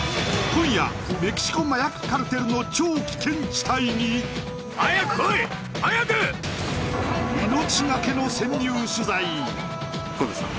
今夜メキシコ麻薬カルテルの超危険地帯にゴンザレスさん